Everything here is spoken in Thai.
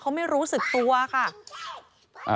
เขาไม่รู้สึกตัวค่ะ